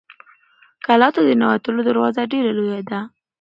کلا ته د ننوتلو دروازه ډېره لویه ده.